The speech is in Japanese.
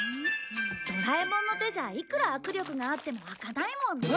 ドラえもんの手じゃいくら握力があっても開かないもんね。